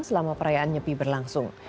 selama perayaan nyepi berlangsung